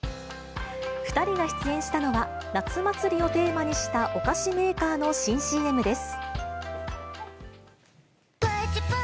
２人が出演したのは、夏祭りをテーマにしたお菓子メーカーの新ＣＭです。